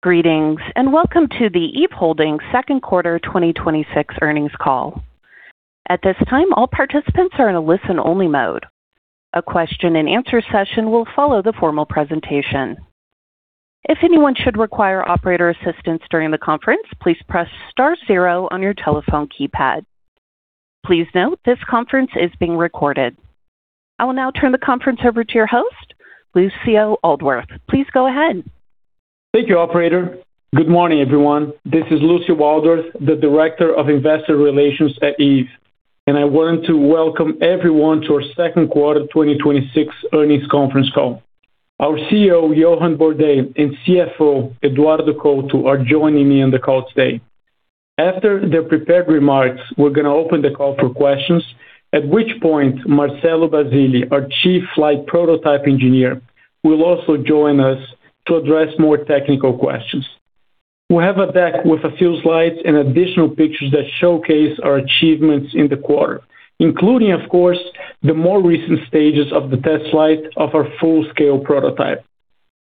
Greetings, welcome to the Eve Holding second quarter 2026 earnings call. At this time, all participants are in a listen-only mode. A question and answer session will follow the formal presentation. If anyone should require operator assistance during the conference, please press star zero on your telephone keypad. Please note this conference is being recorded. I will now turn the conference over to your host, Lucio Aldworth. Please go ahead. Thank you, operator. Good morning, everyone. This is Lucio Aldworth, the Director of Investor Relations at Eve. I want to welcome everyone to our second quarter 2026 earnings conference call. Our CEO, Johann Bordais, and CFO, Eduardo Couto, are joining me on the call today. After their prepared remarks, we're going to open the call for questions, at which point Marcelo Basile, our Chief Flight Prototype Engineer, will also join us to address more technical questions. We have a deck with a few slides and additional pictures that showcase our achievements in the quarter, including, of course, the more recent stages of the test flight of our full-scale prototype.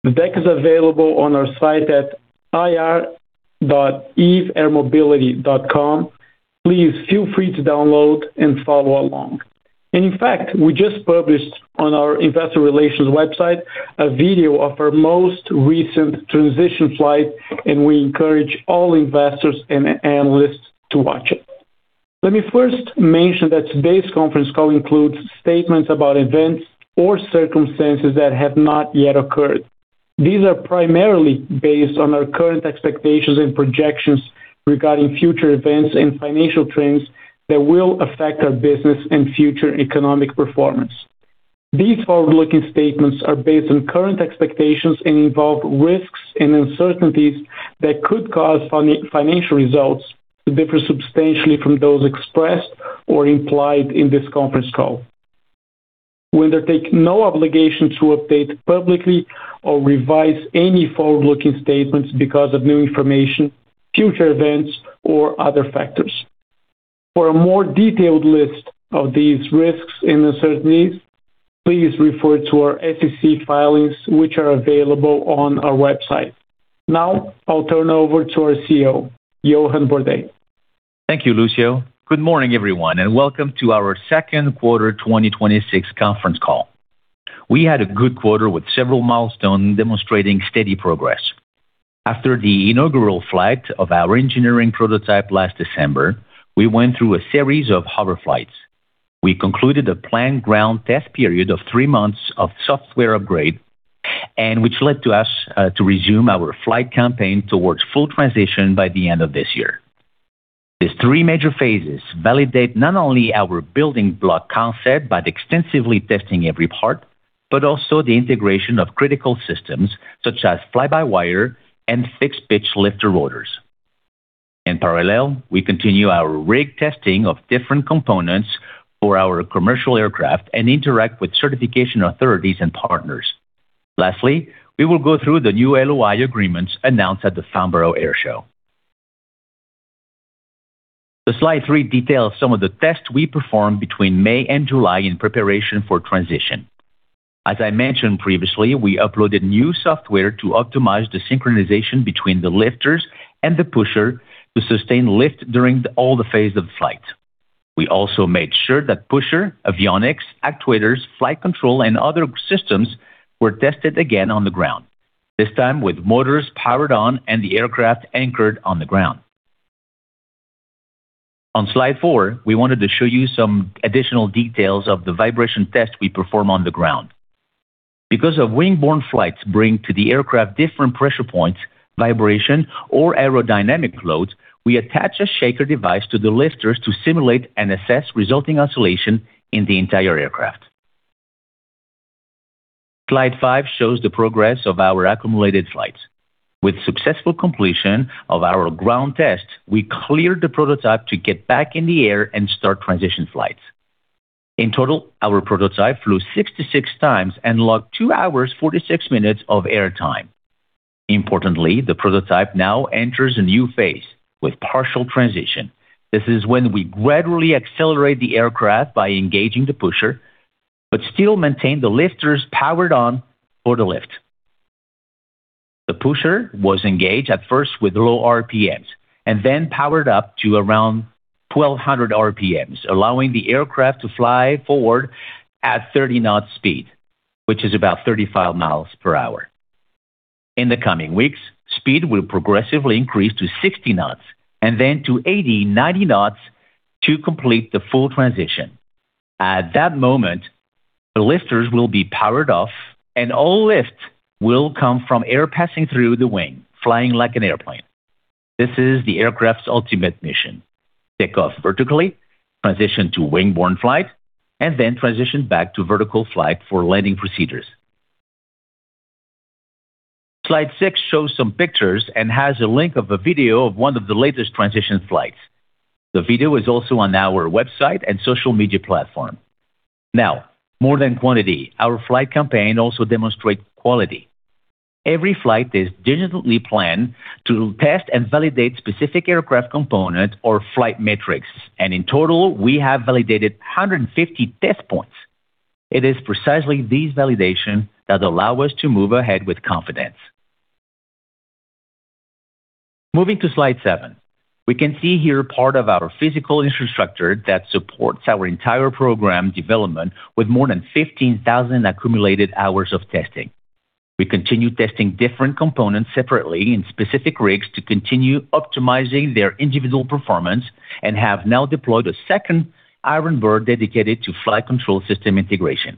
The deck is available on our site at ir.eveairmobility.com. Please feel free to download and follow along. In fact, we just published on our investor relations website a video of our most recent transition flight. We encourage all investors and analysts to watch it. Let me first mention that today's conference call includes statements about events or circumstances that have not yet occurred. These are primarily based on our current expectations and projections regarding future events and financial trends that will affect our business and future economic performance. These forward-looking statements are based on current expectations and involve risks and uncertainties that could cause financial results to differ substantially from those expressed or implied in this conference call. We undertake no obligation to update publicly or revise any forward-looking statements because of new information, future events, or other factors. For a more detailed list of these risks and uncertainties, please refer to our SEC filings, which are available on our website. Now, I'll turn it over to our CEO, Johann Bordais. Thank you, Lucio. Good morning, everyone, and welcome to our second quarter 2026 conference call. We had a good quarter with several milestones demonstrating steady progress. After the inaugural flight of our engineering prototype last December, we went through a series of hover flights. We concluded a planned ground test period of three months of software upgrade, and which led to us to resume our flight campaign towards full transition by the end of this year. These three major phases validate not only our building block concept by extensively testing every part, but also the integration of critical systems such as fly-by-wire and fixed-pitch lifter rotors. In parallel, we continue our rig testing of different components for our commercial aircraft and interact with certification authorities and partners. Lastly, we will go through the new LOI agreements announced at the Farnborough Airshow. The slide three details some of the tests we performed between May and July in preparation for transition. As I mentioned previously, we uploaded new software to optimize the synchronization between the lifters and the pusher to sustain lift during all the phases of flight. We also made sure that pusher, avionics, actuators, flight control, and other systems were tested again on the ground, this time with motors powered on and the aircraft anchored on the ground. On slide four, we wanted to show you some additional details of the vibration test we perform on the ground. Because of wing-borne flights bring to the aircraft different pressure points, vibration, or aerodynamic loads, we attach a shaker device to the lifters to simulate and assess resulting oscillation in the entire aircraft. Slide five shows the progress of our accumulated flights. With successful completion of our ground test, we cleared the prototype to get back in the air and start transition flights. In total, our prototype flew 66 times and logged two hours, 46 minutes of airtime. Importantly, the prototype now enters a new phase with partial transition. This is when we gradually accelerate the aircraft by engaging the pusher, but still maintain the lifters powered on for the lift. The pusher was engaged at first with low RPMs and then powered up to around 1,200 RPMs, allowing the aircraft to fly forward at 30 knot speed, which is about 35 miles per hour. In the coming weeks, speed will progressively increase to 60 knots and then to 80, 90 knots to complete the full transition. At that moment, the lifters will be powered off and all lift will come from air passing through the wing, flying like an airplane. This is the aircraft's ultimate mission. Take off vertically, transition to wing-borne flight, and then transition back to vertical flight for landing procedures. Slide six shows some pictures and has a link of a video of one of the latest transition flights. The video is also on our website and social media platform. Now, more than quantity, our flight campaign also demonstrates quality. Every flight is diligently planned to test and validate specific aircraft components or flight metrics, and in total, we have validated 150 test points. It is precisely these validations that allow us to move ahead with confidence. Moving to slide seven. We can see here part of our physical infrastructure that supports our entire program development with more than 15,000 accumulated hours of testing. We continue testing different components separately in specific rigs to continue optimizing their individual performance and have now deployed a second Iron Bird dedicated to flight control system integration.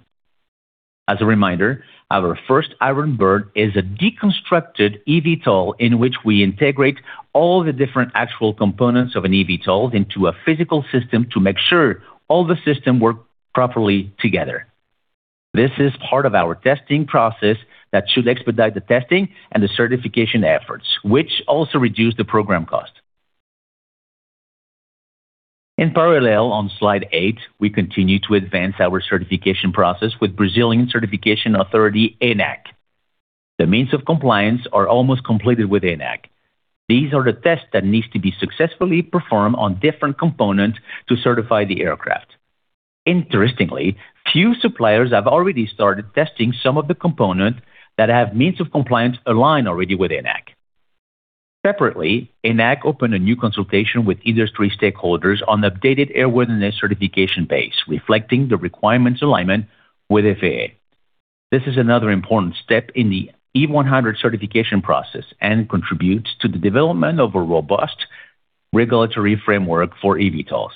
As a reminder, our first Iron Bird is a deconstructed eVTOL in which we integrate all the different actual components of an eVTOL into a physical system to make sure all the systems work properly together. This is part of our testing process that should expedite the testing and the certification efforts, which also reduce the program cost. In parallel, on slide eight, we continue to advance our certification process with Brazilian certification authority, ANAC. The means of compliance are almost completed with ANAC. These are the tests that need to be successfully performed on different components to certify the aircraft. Interestingly, few suppliers have already started testing some of the components that have means of compliance aligned already with ANAC. Separately, ANAC opened a new consultation with industry stakeholders on the updated airworthiness certification base, reflecting the requirements alignment with FAA. This is another important step in the Eve 100 certification process and contributes to the development of a robust regulatory framework for eVTOLs.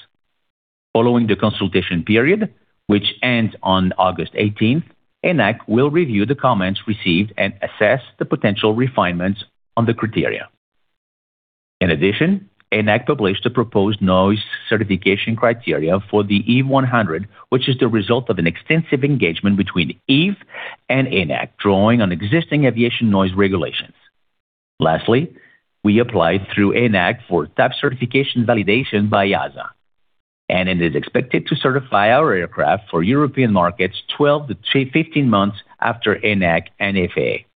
Following the consultation period, which ends on August 18th, ANAC will review the comments received and assess the potential refinements on the criteria. In addition, ANAC published a proposed noise certification criteria for the Eve 100, which is the result of an extensive engagement between Eve and ANAC, drawing on existing aviation noise regulations. Lastly, we applied through ANAC for type certification validation by EASA, and it is expected to certify our aircraft for European markets 12-15 months after ANAC and FAA.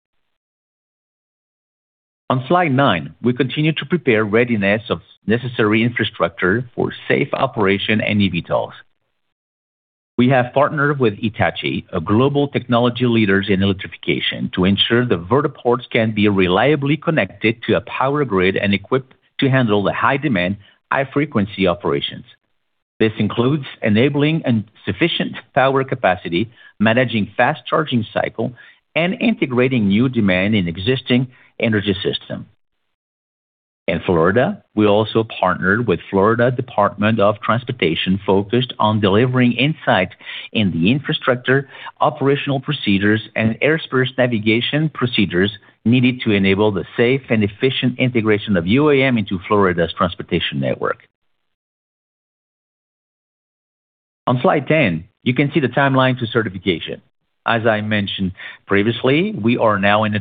On slide nine, we continue to prepare readiness of necessary infrastructure for safe operation and eVTOLs. We have partnered with Hitachi, a global technology leader in electrification, to ensure the vertiports can be reliably connected to a power grid and equipped to handle the high-demand, high-frequency operations. This includes enabling sufficient power capacity, managing fast-charging cycle, and integrating new demand in existing energy systems. In Florida, we also partnered with Florida Department of Transportation, focused on delivering insight in the infrastructure, operational procedures, and airspace navigation procedures needed to enable the safe and efficient integration of UAM into Florida's transportation network. On slide 10, you can see the timeline to certification. As I mentioned previously, we are now in the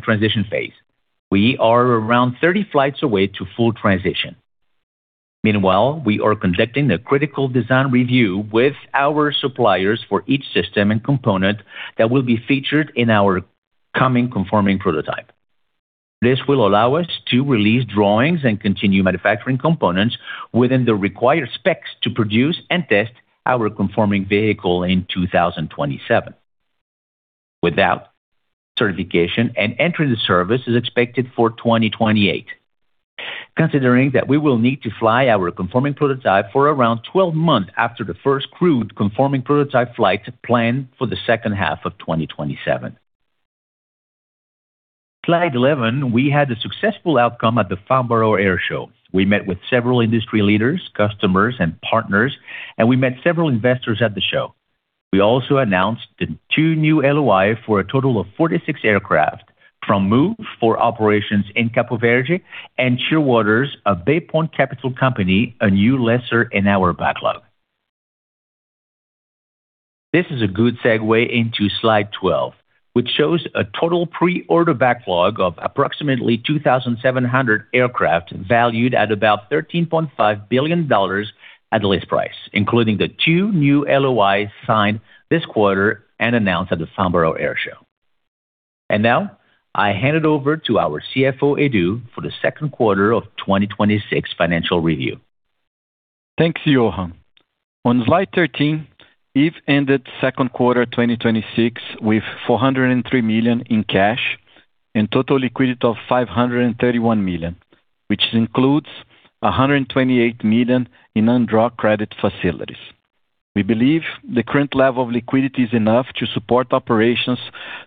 transition phase. We are around 30 flights away to full transition. Meanwhile, we are conducting a critical design review with our suppliers for each system and component that will be featured in our coming conforming prototype. This will allow us to release drawings and continue manufacturing components within the required specs to produce and test our conforming vehicle in 2027. With that, certification and entry to service is expected for 2028. Considering that we will need to fly our conforming prototype for around 12 months after the first crewed conforming prototype flight planned for the second half of 2027. Slide 11, we had a successful outcome at the Farnborough Airshow. We met with several industry leaders, customers, and partners, and we met several investors at the show. We also announced the two new LOI for a total of 46 aircraft from Moov for operations in Cape Verde and Shearwater of Bay Point Capital Company, a new lessor in our backlog. This is a good segue into slide 12, which shows a total pre-order backlog of approximately 2,700 aircraft valued at about $13.5 billion at list price, including the two new LOIs signed this quarter and announced at the Farnborough Airshow. Now, I hand it over to our CFO, Edu, for the second quarter of 2026 financial review. Thanks, Johann. On slide 13, Eve ended second quarter 2026 with $403 million in cash and total liquidity of $531 million, which includes $128 million in undrawn credit facilities. We believe the current level of liquidity is enough to support operations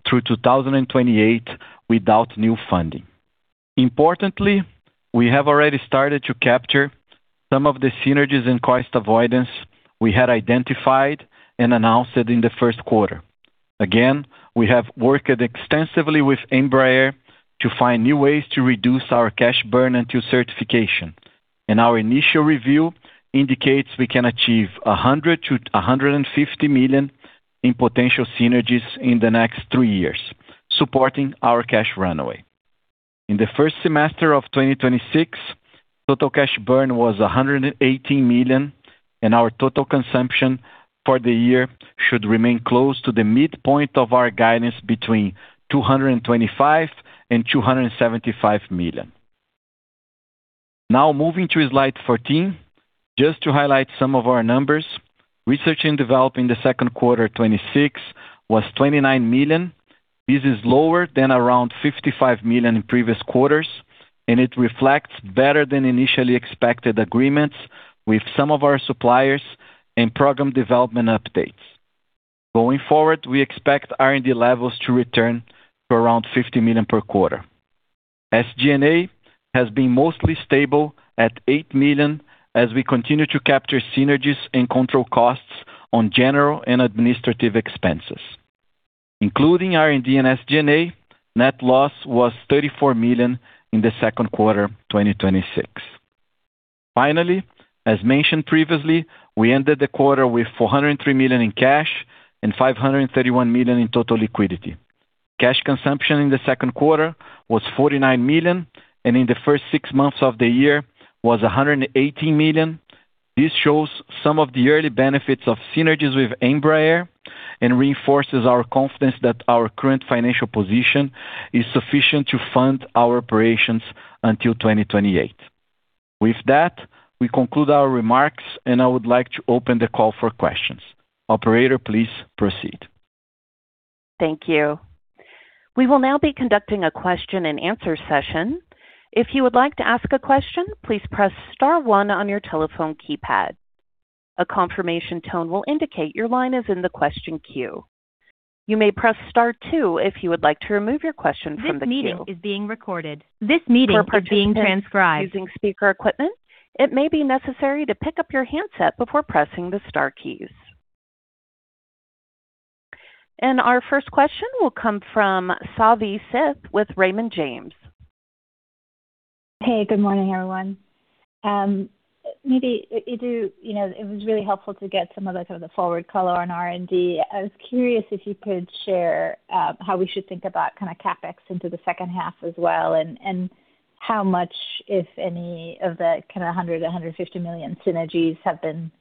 through 2028 without new funding. Importantly, we have already started to capture some of the synergies and cost avoidance we had identified and announced it in the first quarter. Again, we have worked extensively with Embraer to find new ways to reduce our cash burn until certification, and our initial review indicates we can achieve $100 million-$150 million in potential synergies in the next three years, supporting our cash runway. In the first semester of 2026, total cash burn was $118 million, and our total consumption for the year should remain close to the midpoint of our guidance between $225 million and $275 million. Moving to slide 14, just to highlight some of our numbers. Research and development in the second quarter 2026 was $29 million. This is lower than around $55 million in previous quarters, and it reflects better than initially expected agreements with some of our suppliers and program development updates. Going forward, we expect R&D levels to return to around $50 million per quarter. SG&A has been mostly stable at $8 million as we continue to capture synergies and control costs on general and administrative expenses. Including R&D and SG&A, net loss was $34 million in the second quarter 2026. Finally, as mentioned previously, we ended the quarter with $403 million in cash and $531 million in total liquidity. Cash consumption in the second quarter was $49 million, and in the first six months of the year was $118 million. This shows some of the early benefits of synergies with Embraer and reinforces our confidence that our current financial position is sufficient to fund our operations until 2028. With that, we conclude our remarks. I would like to open the call for questions. Operator, please proceed. Thank you. We will now be conducting a question and answer session. If you would like to ask a question, please press star one on your telephone keypad. A confirmation tone will indicate your line is in the question queue. You may press star two if you would like to remove your question from the queue. For participants using speaker equipment, it may be necessary to pick up your handset before pressing the star keys. Our first question will come from Savi Syth with Raymond James. Hey, good morning, everyone. It was really helpful to get some of the forward color on R&D. I was curious if you could share how we should think about CapEx into the second half as well, and how much, if any, of the $100 million-$150 million synergies have been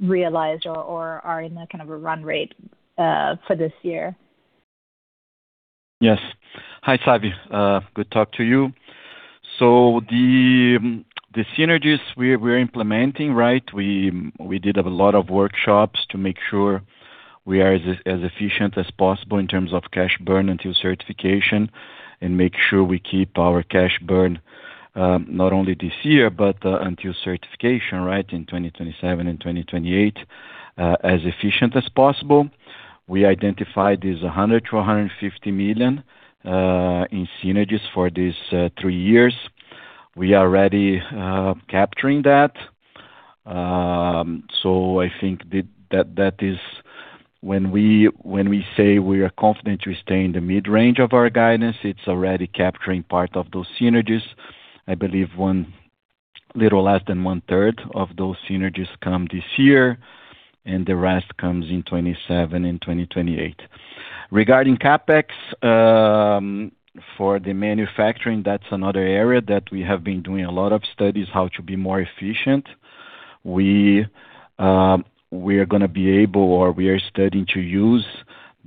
realized or are in a run rate for this year? Yes. Hi, Savi. Good to talk to you. The synergies we're implementing, we did a lot of workshops to make sure we are as efficient as possible in terms of cash burn until certification, and make sure we keep our cash burn, not only this year, but until certification in 2027 and 2028, as efficient as possible. We identified this $100 million-$150 million in synergies for these three years. We are already capturing that. I think when we say we are confident to stay in the mid-range of our guidance, it's already capturing part of those synergies. I believe a little less than one-third of those synergies come this year, and the rest comes in 2027 and 2028. Regarding CapEx, for the manufacturing, that's another area that we have been doing a lot of studies how to be more efficient. We are going to be able, or we are studying to use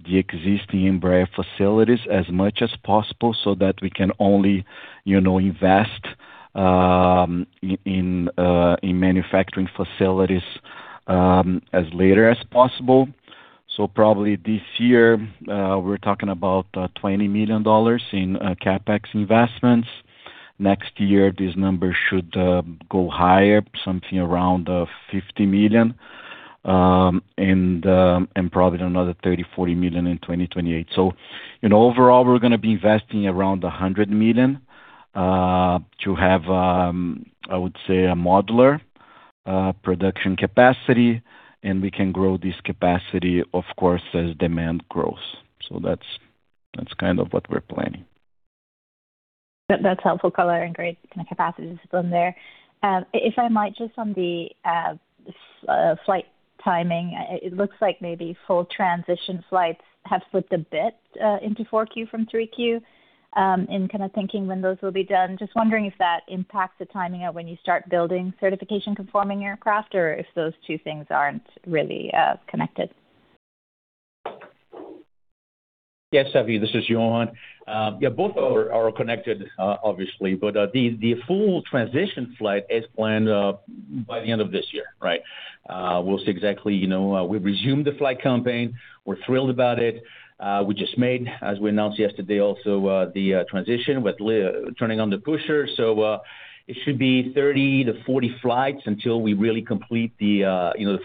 the existing Embraer facilities as much as possible so that we can only invest in manufacturing facilities as later as possible. Probably this year, we're talking about $20 million in CapEx investments. Next year, this number should go higher, something around $50 million, and probably another $30 million-$40 million in 2028. Overall, we're going to be investing around $100 million to have, I would say, a modular production capacity, and we can grow this capacity, of course, as demand grows. That's what we're planning. That's helpful color and great capacity discipline there. If I might, just on the flight timing, it looks like maybe full transition flights have slipped a bit into 4Q from 3Q in thinking when those will be done. Just wondering if that impacts the timing of when you start building certification-conforming aircraft, or if those two things aren't really connected. Yes, Savi, this is Johann. Both are connected, obviously. The full transition flight is planned by the end of this year. We'll see exactly. We've resumed the flight campaign. We're thrilled about it. We just made, as we announced yesterday also, the transition with turning on the pusher. It should be 30-40 flights until we really complete the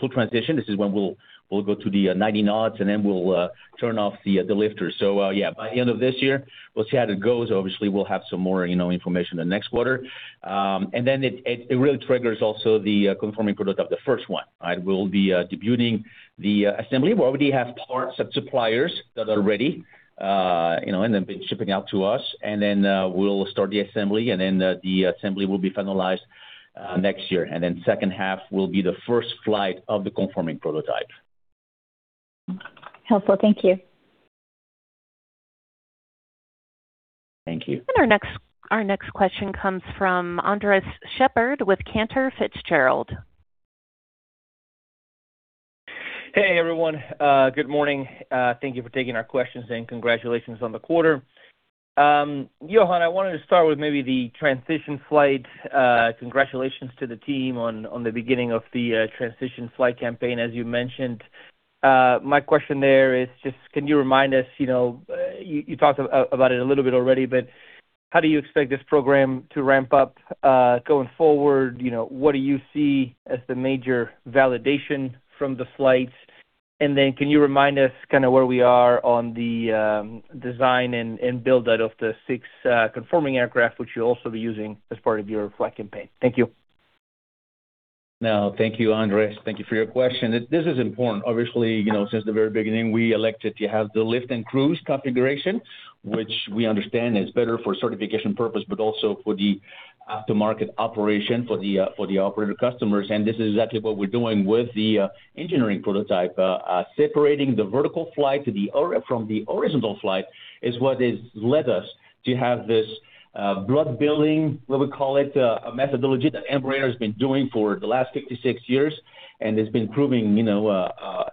full transition. This is when we'll go to the 90 knots, and then we'll turn off the lifter. By the end of this year, we'll see how it goes. Obviously, we'll have some more information the next quarter. It really triggers also the conforming product of the first one. We'll be debuting the assembly. We already have parts of suppliers that are ready, and they've been shipping out to us. We'll start the assembly, the assembly will be finalized next year. Second half will be the first flight of the conforming prototype. Helpful. Thank you. Thank you. Our next question comes from Andres Sheppard with Cantor Fitzgerald. Hey everyone. Good morning. Thank you for taking our questions, and congratulations on the quarter. Johann, I wanted to start with maybe the transition flight. Congratulations to the team on the beginning of the transition flight campaign, as you mentioned. My question there is just, can you remind us, you talked about it a little bit already, but how do you expect this program to ramp up going forward? What do you see as the major validation from the flights? Then can you remind us where we are on the design and build out of the six conforming aircraft which you'll also be using as part of your flight campaign? Thank you. No, thank you, Andres. Thank you for your question. This is important. Obviously, since the very beginning, we elected to have the lift and cruise configuration, which we understand is better for certification purpose, but also for the aftermarket operation for the operator customers. This is exactly what we're doing with the engineering prototype. Separating the vertical flight from the horizontal flight is what has led us to have this block building, what we call it, methodology that Embraer has been doing for the last 56 years. It's been proving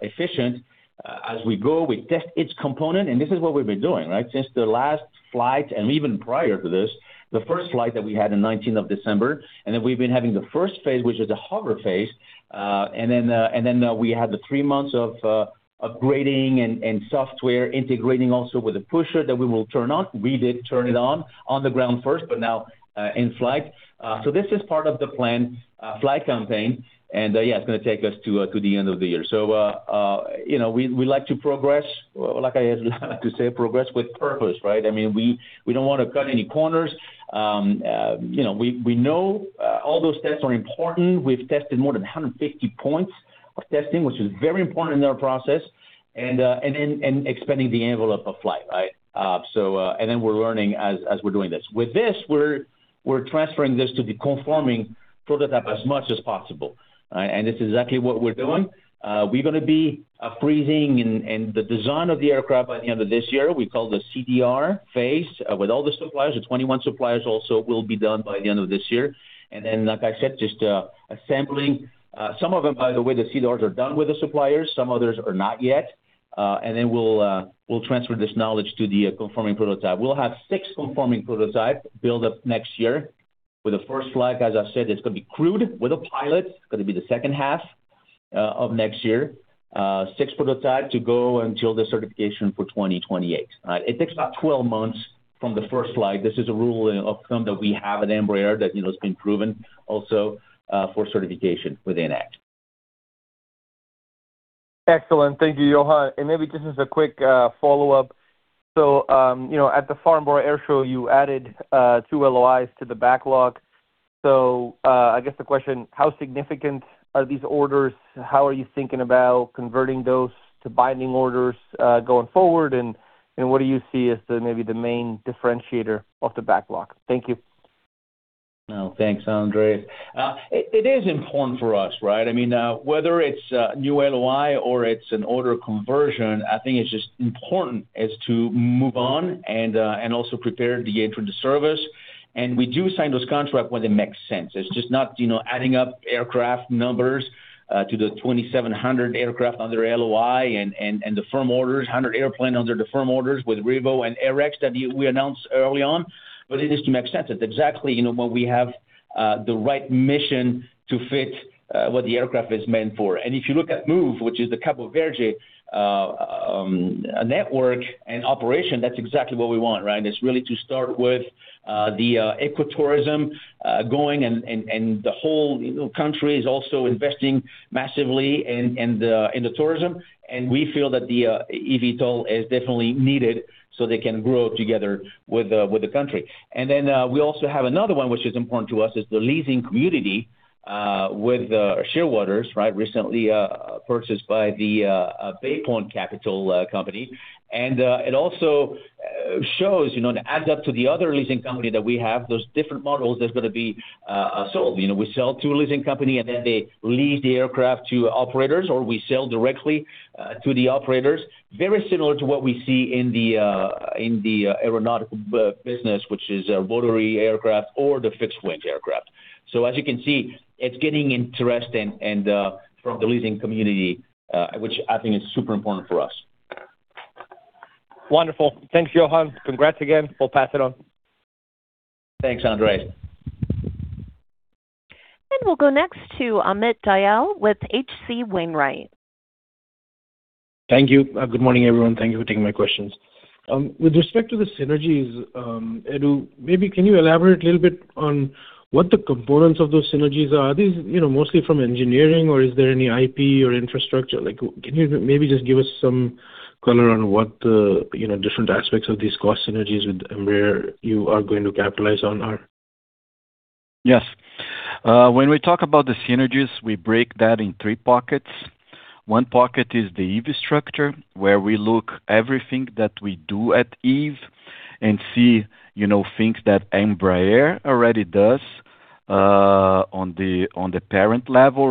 efficient. As we go, we test each component, and this is what we've been doing. Since the last flight and even prior to this, the first flight that we had in the 19th of December, then we've been having the first phase, which is the hover phase. We had the three months of upgrading and software integrating also with the pusher that we will turn on. We did turn it on on the ground first, but now in flight. This is part of the plan, flight campaign. It's going to take us to the end of the year. We like to progress, like I like to say progress with purpose, right? We don't want to cut any corners. We know all those tests are important. We've tested more than 150 points of testing, which is very important in our process, and expanding the envelope of flight. We're learning as we're doing this. With this, we're transferring this to the conforming prototype as much as possible. This is exactly what we're doing. We're going to be freezing in the design of the aircraft by the end of this year. We call the CDR phase, with all the suppliers, the 21 suppliers also will be done by the end of this year. Like I said, just assembling. Some of them, by the way, the CDRs are done with the suppliers, some others are not yet. We'll transfer this knowledge to the conforming prototype. We'll have six conforming prototypes built up next year with the first flight, as I said, it's going to be crewed with a pilot. It's going to be the second half of next year. Six prototypes to go until the certification for 2028. It takes about 12 months from the first flight. This is a rule of thumb that we have at Embraer that has been proven also for certification with ANAC. Excellent. Thank you, Johann. Maybe just as a quick follow-up. At the Farnborough Airshow, you added two LOIs to the backlog. I guess the question, how significant are these orders? How are you thinking about converting those to binding orders going forward? What do you see as maybe the main differentiator of the backlog? Thank you. Thanks, Andres. It is important for us. Whether it's a new LOI or it's an order conversion, I think it's just important as to move on and also prepare to enter the service. We do sign those contracts when they make sense. It's just not adding up aircraft numbers to the 2,700 aircraft under LOI and the firm orders, 100 aircraft under the firm orders with Revo and AirX that we announced early on. It is to make sense. It's exactly when we have the right mission to fit what the aircraft is meant for. If you look at Moov, which is the Cape Verde network and operation, that's exactly what we want. It's really to start with the ecotourism going, the whole country is also investing massively in the tourism. We feel that the eVTOL is definitely needed so they can grow together with the country. Then we also have another one which is important to us, is the leasing community with Shearwater. Recently purchased by the Bay Point Capital. It also shows, and adds up to the other leasing company that we have, those different models that's going to be sold. We sell to a leasing company, and then they lease the aircraft to operators, or we sell directly to the operators, very similar to what we see in the aeronautical business, which is rotary aircraft or the fixed-wing aircraft. As you can see, it's getting interesting from the leasing community, which I think is super important for us. Wonderful. Thanks, Johann. Congrats again. We'll pass it on. Thanks, Andres. We'll go next to Amit Dayal with H.C. Wainwright. Thank you. Good morning, everyone. Thank you for taking my questions. With respect to the synergies, Edu, maybe can you elaborate a little bit on what the components of those synergies are? Are these mostly from engineering or is there any IP or infrastructure? Can you maybe just give us some color on what the different aspects of these cost synergies with Embraer you are going to capitalize on are? Yes. When we talk about the synergies, we break that in three pockets. One pocket is the Eve structure, where we look everything that we do at Eve and see things that Embraer already does. On the parent level.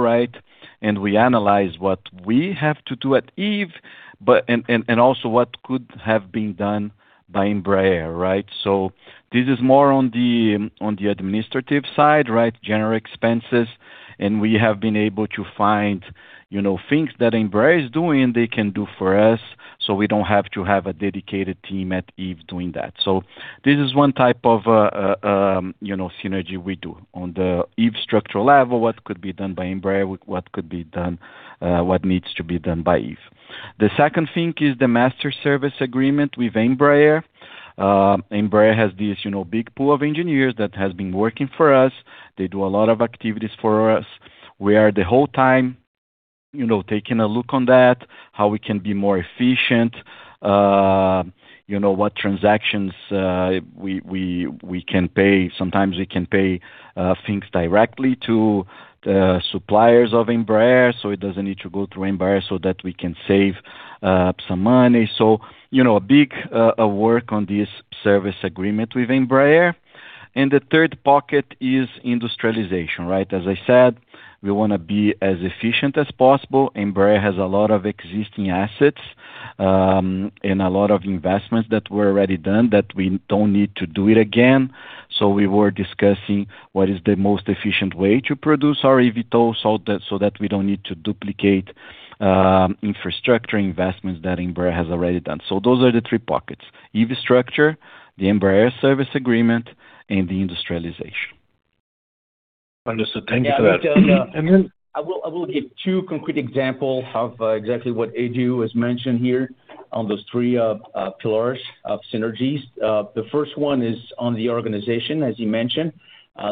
We analyze what we have to do at Eve, and also what could have been done by Embraer. This is more on the administrative side, general expenses. We have been able to find things that Embraer is doing, they can do for us, so we don't have to have a dedicated team at Eve doing that. This is one type of synergy we do. On the Eve structural level, what could be done by Embraer, what needs to be done by Eve. The second thing is the master service agreement with Embraer. Embraer has this big pool of engineers that has been working for us. They do a lot of activities for us. We are the whole time taking a look on that, how we can be more efficient, what transactions we can pay. Sometimes we can pay things directly to suppliers of Embraer, so it doesn't need to go through Embraer, that we can save up some money. A big work on this service agreement with Embraer. The third pocket is industrialization. As I said, we want to be as efficient as possible. Embraer has a lot of existing assets and a lot of investments that were already done that we don't need to do it again. We were discussing what is the most efficient way to produce our eVTOL so that we don't need to duplicate infrastructure investments that Embraer has already done. Those are the three pockets, Eve structure, the Embraer service agreement, and the industrialization. Understood. Thank you for that. I will give two concrete example of exactly what Edu has mentioned here on those three pillars of synergies. The first one is on the organization, as you mentioned.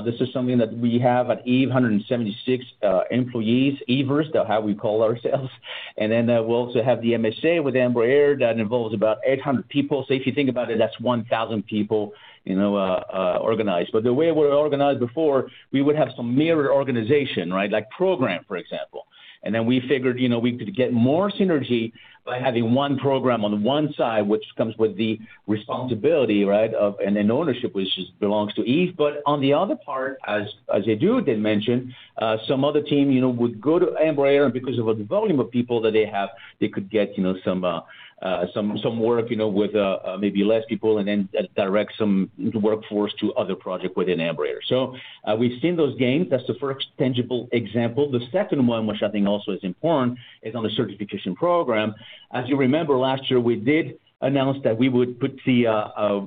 This is something that we have at Eve, 176 employees, Evers, that how we call ourselves. We also have the MSA with Embraer that involves about 800 people. If you think about it, that's 1,000 people organized. The way we were organized before, we would have some mirror organization. Like program, for example. We figured, we could get more synergy by having one program on one side, which comes with the responsibility and then ownership, which belongs to Eve. On the other part, as Edu did mention, some other team would go to Embraer, because of the volume of people that they have, they could get some work with maybe less people, then direct some workforce to other project within Embraer. We've seen those gains. That's the first tangible example. The second one, which I think also is important, is on the certification program. As you remember, last year, we did announce that we would put the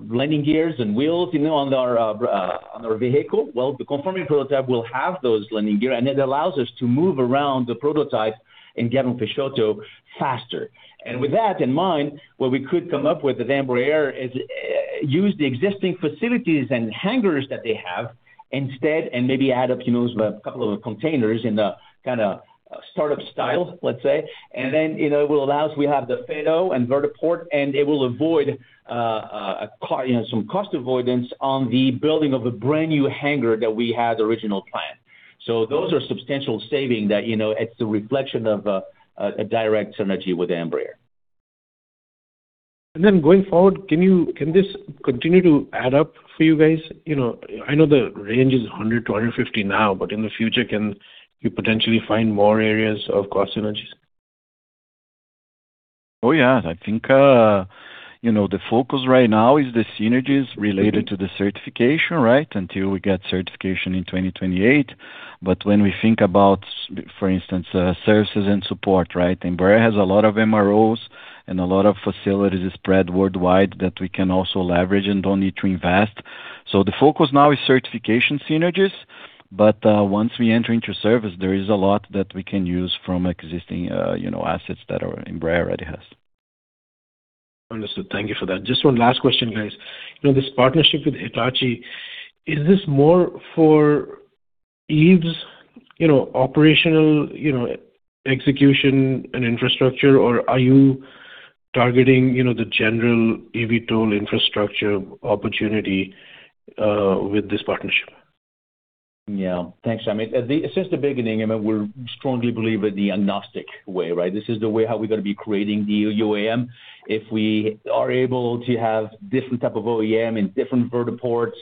landing gears and wheels on our vehicle. Well, the conforming prototype will have those landing gear, and it allows us to move around the prototype in Gavião Peixoto faster. With that in mind, what we could come up with at Embraer is use the existing facilities and hangars that they have instead, maybe add up, who knows, about a couple of containers in the startup style, let's say. It will allow us, we have the FATO and vertiport, it will avoid some cost avoidance on the building of a brand-new hangar that we had originally planned. Those are substantial savings that it's the reflection of a direct synergy with Embraer. Going forward, can this continue to add up for you guys? I know the range is $100 million-$150 million now, in the future, can you potentially find more areas of cost synergies? Yeah. I think the focus right now is the synergies related to the certification, until we get certification in 2028. When we think about, for instance, services and support, Embraer has a lot of MROs and a lot of facilities spread worldwide that we can also leverage and don't need to invest. The focus now is certification synergies, once we enter into service, there is a lot that we can use from existing assets that Embraer already has. Understood. Thank you for that. Just one last question, guys. This partnership with Hitachi, is this more for Eve's operational execution and infrastructure, or are you targeting the general eVTOL infrastructure opportunity with this partnership? Thanks, Amit. Since the beginning, we strongly believe in the agnostic way. This is the way how we're going to be creating the UAM. If we are able to have different type of OEM in different vertiports,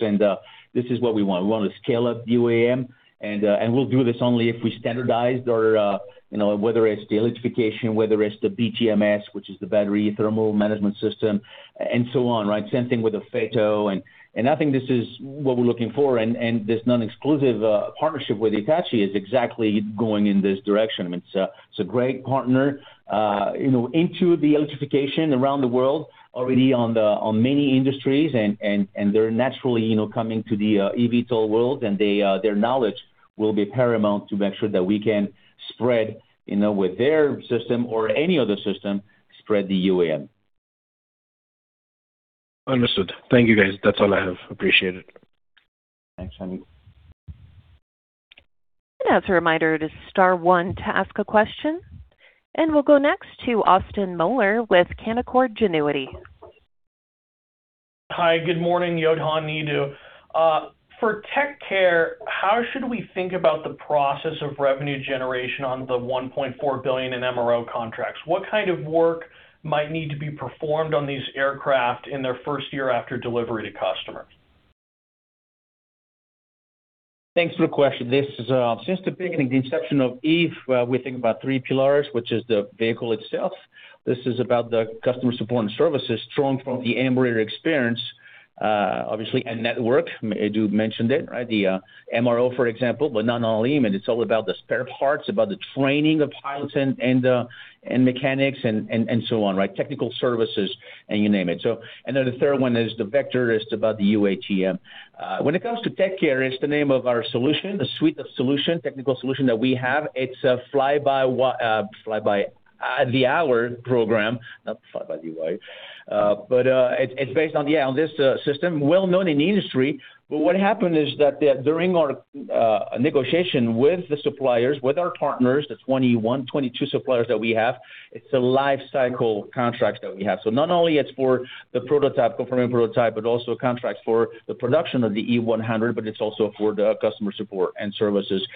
this is what we want. We want to scale up the UAM, we'll do this only if we standardized our, whether it's the electrification, whether it's the BTMS, which is the battery thermal management system, and so on. Same thing with the FATO, I think this is what we're looking for, this non-exclusive partnership with Hitachi is exactly going in this direction. It's a great partner into the electrification around the world, already on many industries, they're naturally coming to the eVTOL world, their knowledge will be paramount to make sure that we can spread with their system or any other system, spread the UAM. Understood. Thank you, guys. That's all I have. Appreciate it. Thanks, Amit. As a reminder, it is star one to ask a question. We'll go next to Austin Moeller with Canaccord Genuity. Hi, good morning, Johann, Edu. For TechCare, how should we think about the process of revenue generation on the $1.4 billion in MRO contracts? What kind of work might need to be performed on these aircraft in their first year after delivery to customer? Thanks for the question. Since the beginning, the inception of Eve, we think about three pillars, which is the vehicle itself. This is about the customer support and services drawn from the Embraer experience. Obviously, and network, Edu mentioned it, right? The MRO, for example, but not only. It's all about the spare parts, about the training of pilots and mechanics and so on, right? Technical services, and you name it. Then the third one is the Vector. It's about the UATM. When it comes to TechCare, it's the name of our solution, the suite of solution, technical solution that we have. It's a fly by the hour program, not fly by the way. It's based on the hour. This system, well-known in the industry. What happened is that during our negotiation with the suppliers, with our partners, the 21, 22 suppliers that we have, it's a life cycle contracts that we have. Not only it's for the confirming prototype, but also contracts for the production of the Eve 100, but it's also for the customer support and services.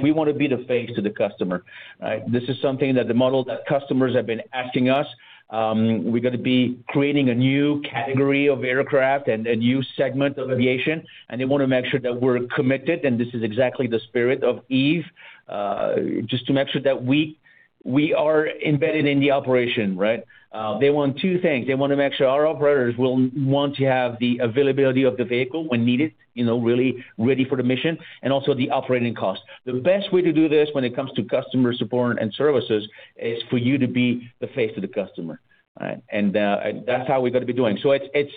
We want to be the face to the customer, right? This is something that the model that customers have been asking us. We're going to be creating a new category of aircraft and a new segment of aviation, and they want to make sure that we're committed, and this is exactly the spirit of Eve, just to make sure that we are embedded in the operation, right? They want two things. They want to make sure our operators will want to have the availability of the vehicle when needed, really ready for the mission, and also the operating cost. The best way to do this when it comes to customer support and services is for you to be the face of the customer, right? That's how we're going to be doing. It's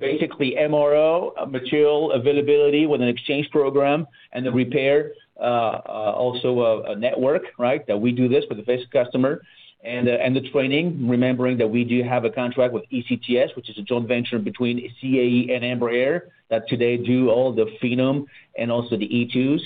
basically MRO, material availability with an exchange program, and the repair, also a network, right? That we do this for the face customer. The training, remembering that we do have a contract with ECTS, which is a joint venture between CAE and Embraer, that today do all the Phenom and also the E2s.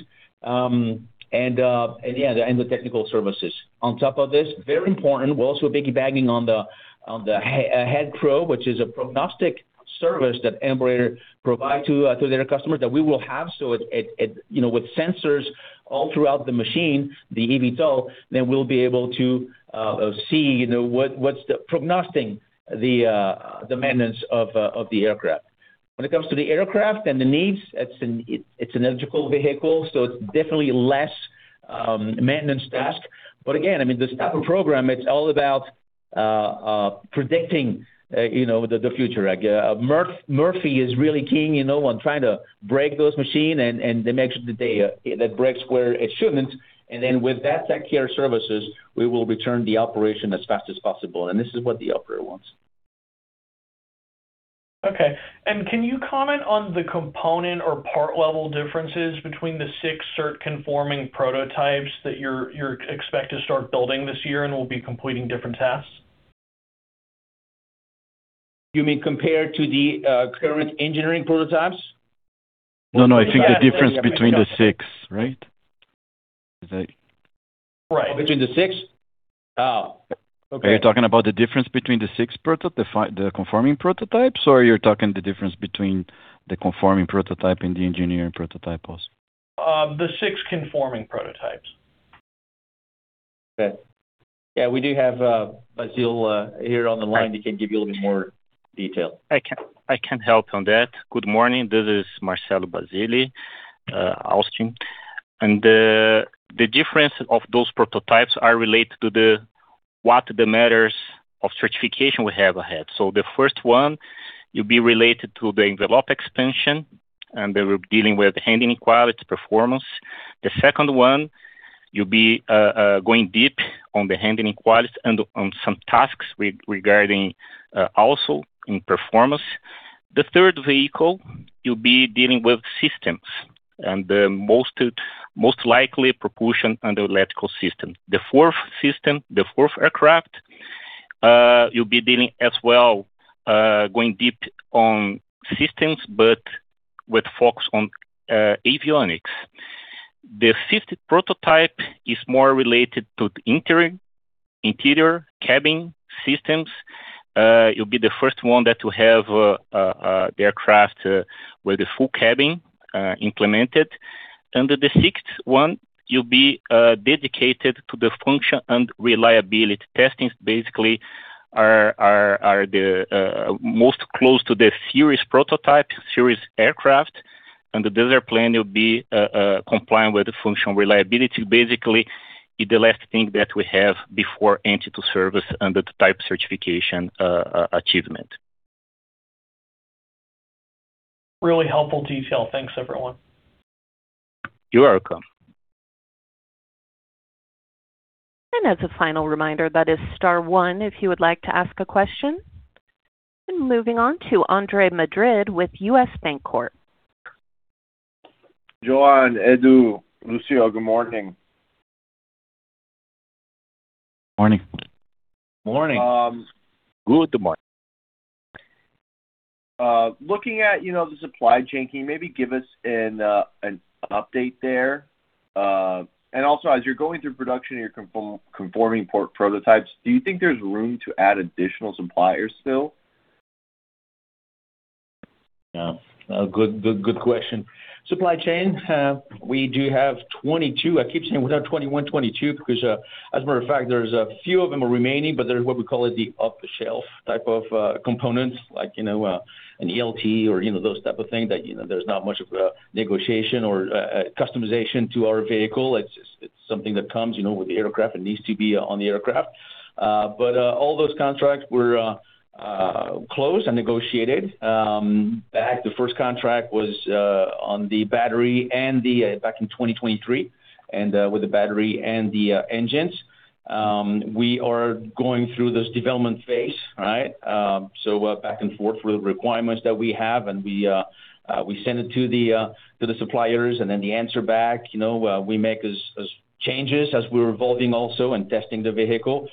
The technical services. On top of this, very important, we're also piggybacking on the AHEAD, which is a prognostic service that Embraer provide to their customers that we will have. With sensors all throughout the machine, the eVTOL, we'll be able to see what's the prognostic, the maintenance of the aircraft. When it comes to the aircraft and the needs, it's an electrical vehicle, so it's definitely less maintenance task. Again, I mean, the type of program, it's all about predicting the future. Murphy is really king on trying to break those machine, and they make sure that they break where it shouldn't. With that TechCare services, we will return the operation as fast as possible, this is what the operator wants. Okay. Can you comment on the component or part level differences between the six cert-conforming prototypes that you expect to start building this year and will be completing different tasks? You mean compared to the current engineering prototypes? I think the difference between the six, right? Is that Right. Between the six? Oh, okay. Are you talking about the difference between the six conforming prototypes, or you're talking the difference between the conforming prototype and the engineering prototype also? The six conforming prototypes. Okay. Yeah, we do have Basile here on the line. He can give you a little bit more detail. I can help on that. Good morning. This is Marcelo Basile, Austin. The difference of those prototypes are related to the, what the matters of certification we have ahead. The first one will be related to the envelope expansion, and they will be dealing with the handling quality performance. The second one will be going deep on the handling quality and on some tasks regarding also in performance. The third vehicle will be dealing with systems, most likely propulsion and electrical system. The fourth system, the fourth aircraft, will be dealing as well, going deep on systems but with focus on avionics. The fifth prototype is more related to interior cabin systems. It'll be the first one that will have the aircraft with the full cabin implemented. The sixth one will be dedicated to the function and reliability testing. Basically, it is the most close to the series prototype, series aircraft. This airplane will be compliant with the function reliability. Basically, it is the last thing that we have before entry to service under the type certification achievement. Really helpful detail. Thanks, everyone. You are welcome. As a final reminder, that is star one if you would like to ask a question. Moving on to Andre Madrid with U.S. Bancorp. Johann, Edu, Lucio, good morning. Morning. Morning. Good morning. Looking at the supply chain, can you maybe give us an update there? Also, as you're going through production of your conforming prototypes, do you think there's room to add additional suppliers still? Yeah. A good question. Supply chain, we do have 22. I keep saying we have 21, 22 because, as a matter of fact, there's a few of them are remaining, but there is what we call it the off-the-shelf type of components, like an ELT or those type of things that there's not much of a negotiation or a customization to our vehicle. It's something that comes with the aircraft and needs to be on the aircraft. All those contracts were closed and negotiated back. The first contract was on the battery and back in 2023, and with the battery and the engines. We are going through this development phase, right? Back and forth with requirements that we have, we send it to the suppliers they answer back. We make changes as we're evolving also and testing the vehicle.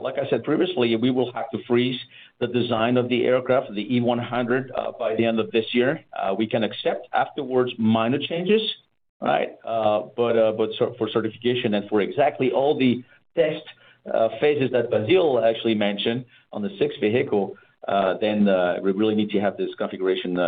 Like I said previously, we will have to freeze the design of the aircraft, the Eve 100, by the end of this year. We can accept afterwards minor changes. For certification and for exactly all the test phases that Basile actually mentioned on the sixth vehicle, we really need to have this configuration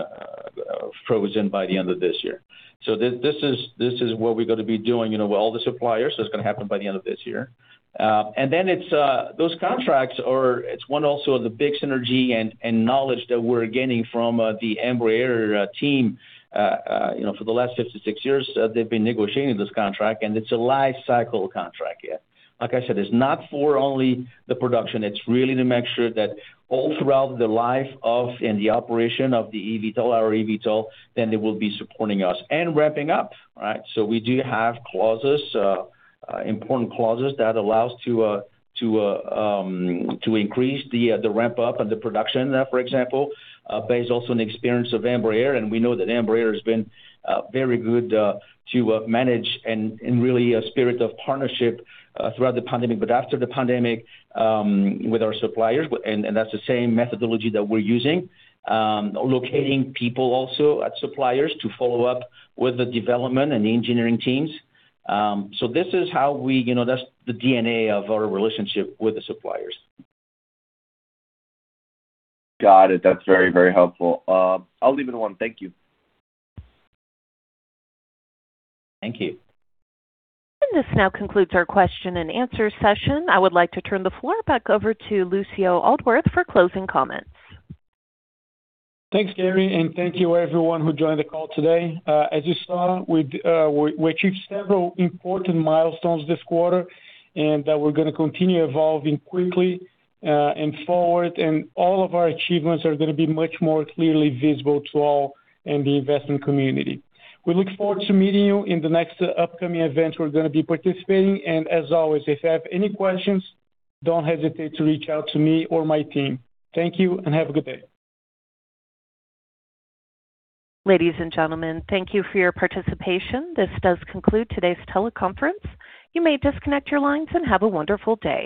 frozen by the end of this year. This is what we're going to be doing, with all the suppliers. It's going to happen by the end of this year. Those contracts are, it's one also of the big synergy and knowledge that we're gaining from the Embraer team. For the last 56 years, they've been negotiating this contract, and it's a life cycle contract here. Like I said, it's not for only the production. It's really to make sure that all throughout the life of and the operation of the eVTOL, our eVTOL, they will be supporting us and ramping up, right? We do have important clauses that allow us to increase the ramp-up and the production, for example based also on the experience of Embraer. We know that Embraer has been very good to manage and really a spirit of partnership throughout the pandemic, but after the pandemic, with our suppliers. That's the same methodology that we're using. Locating people also at suppliers to follow up with the development and engineering teams. That's the DNA of our relationship with the suppliers. Got it. That's very, very helpful. I'll leave it at one. Thank you. Thank you. This now concludes our question and answer session. I would like to turn the floor back over to Lucio Aldworth for closing comments. Thanks, Carrie. Thank you everyone who joined the call today. As you saw, we achieved several important milestones this quarter. We're going to continue evolving quickly and forward. All of our achievements are going to be much more clearly visible to all in the investment community. We look forward to meeting you in the next upcoming event we're going to be participating. As always, if you have any questions, don't hesitate to reach out to me or my team. Thank you and have a good day. Ladies and gentlemen, thank you for your participation. This does conclude today's teleconference. You may disconnect your lines and have a wonderful day.